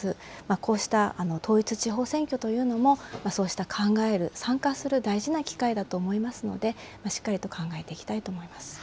こうした統一地方選挙というのも、そうした考える、参加する大事な機会だと思いますので、しっかりと考えていきたいと思います。